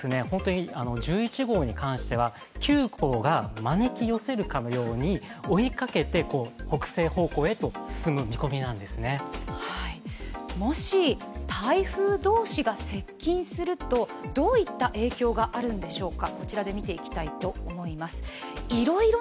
１１号に関しては９号が招き寄せるかのように追いかけて北西方向へと進む見込みなんですねもし、台風同士が接近するどういった影響があるんでしょうか。